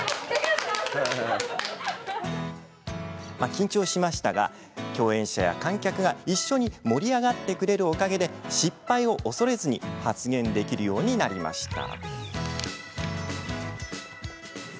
緊張しましたが共演者や観客が一緒に盛り上がってくれるおかげで失敗を恐れずに発言できるようになりました。